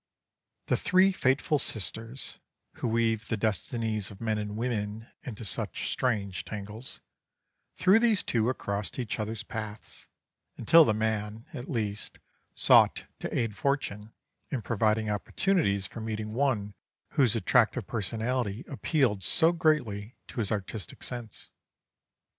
"The three Fateful Sisters, who weave the destinies of men and women into such strange tangles, threw these two across each other's paths, until the man, at least, sought to aid Fortune, in providing opportunities for meeting one whose attractive personality appealed so greatly to his artistic sense.